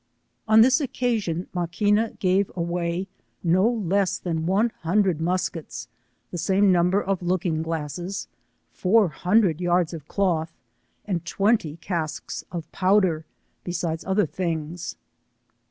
On ihis occasion, Maquina gave away no less than one hundred muskets, the same num ber of looking glasses, four hundred yards of cloth, and twenty casks of powder, beside other things.